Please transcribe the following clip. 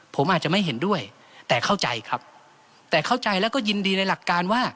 ผมอาจจะไม่เห็นด้วยแต่เข้าใจครับแต่เข้าใจแล้วก็ยินดีในหลักการว่า